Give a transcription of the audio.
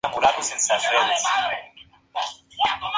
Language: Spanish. Está nombrado en honor de una persona muy querida del descubridor.